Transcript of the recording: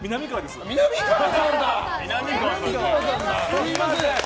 すみません。